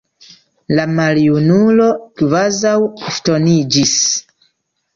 La maljunulo kvazaŭ ŝtoniĝis.